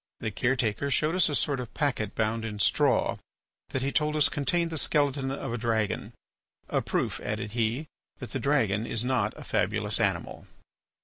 ... The care taker showed us a sort of packet bound in straw that he told us contained the skeleton of a dragon; a proof, added he, that the dragon is not a fabulous animal."